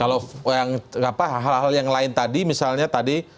kalau hal hal yang lain tadi misalnya tadi